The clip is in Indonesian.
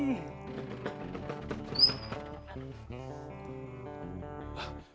kita jadi umpah nyamuk disini